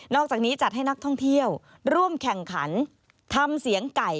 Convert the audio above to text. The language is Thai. อกจากนี้จัดให้นักท่องเที่ยวร่วมแข่งขันทำเสียงไก่